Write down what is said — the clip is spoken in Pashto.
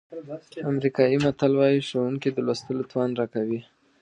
امریکایي متل وایي ښوونکي د لوستلو توان راکوي.